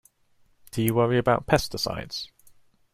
Do you worry about pesticides?